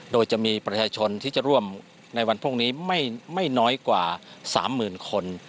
โดยจะมีประชาชนที่จะร่วมในวันพรุ่งนี้ไม่น้อยกว่า๓๐๐๐คน